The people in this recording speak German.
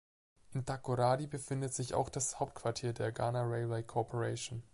In Takoradi befindet sich auch das Hauptquartier der Ghana Railway Corporation.